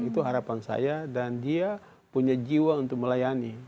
itu harapan saya dan dia punya jiwa untuk melayani